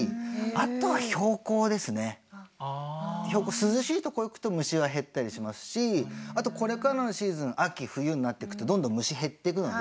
涼しいとこ行くと虫が減ったりしますしあとこれからのシーズン秋冬になってくとどんどん虫減ってくので。